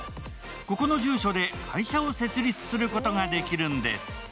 ここの住所で会社を設立することもできるんです。